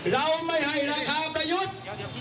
เราไม่ให้ราคาประยุทธ์